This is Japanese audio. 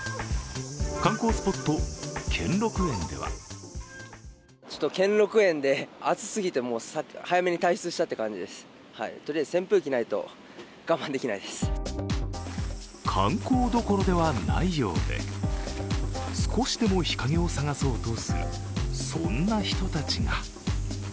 観光スポット・兼六園では観光どころではないようで少しでも日陰を探そうとする、そんな人たちが。